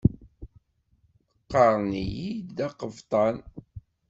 Ɣɣaren-iyi-d aqebṭan.